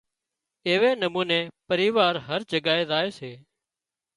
ايوي نموني پريوار هر جگائي زائي سي